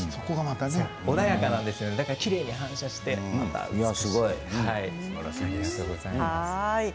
穏やかなのできれいに反射しています。